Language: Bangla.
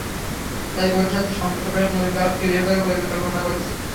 তাই ওর সাথে সম্পর্ক ভেঙে নতুন কাউকে বিয়ে করার পরিকল্পনা করেছি।